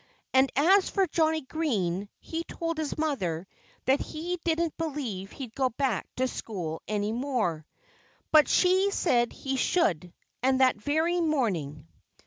And as for Johnnie Green, he told his mother that he didn't believe he'd go back to school any more. But she said he should, and that very morning.